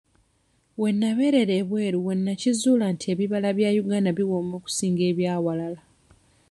We nabeerera ebweru we nakizuulira nti ebibala by'e Uganda biwooma okusinga eby'ewalala.